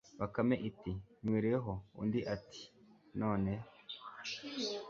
bakame iti 'mwiriwe ho, undi ati 'nn